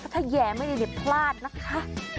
ถ้าแย่ไม่ดีพลาดนะคะ